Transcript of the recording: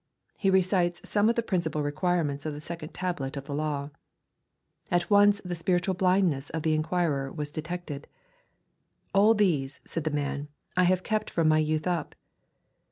He recites some of the prin cipal requirements of the second table of the law. At once the spiritual blindness of the inquirer was detected, "All these," said the man, " I have kept from my youth up."